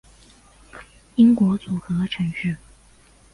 英国组合城市